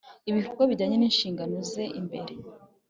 ibikorwa bijyanye n inshingano ze imbere